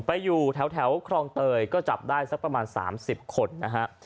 อยู่แถวครองเตยก็จับได้สักประมาณ๓๐คนนะฮะ